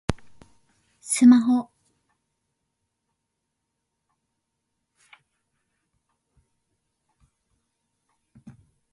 スマホ